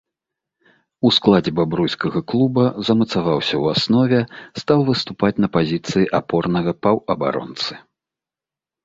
У складзе бабруйскага клуба замацаваўся ў аснове, стаў выступаць на пазіцыі апорнага паўабаронцы.